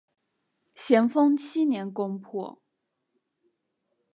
咸丰七年攻破。